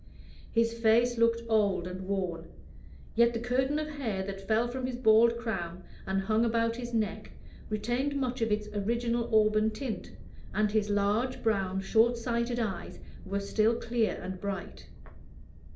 His face looked old and worn, yet the curtain of hair that fell from his bald crown and hung about his neck retained much of its original auburn tint, and his large, brown, short sighted eyes were still clear and bright.